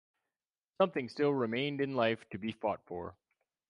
Something still remained in life to be fought for.